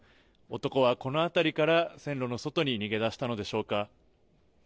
男はこの辺りから線路の外に逃げ出したのでしょうか。